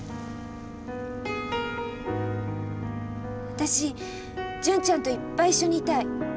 私純ちゃんといっぱい一緒にいたい。